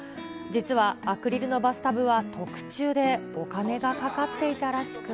実はアクリルのバスタブは特注で、お金がかかっていたらしく。